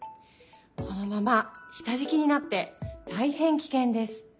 このまましたじきになってたいへんキケンです。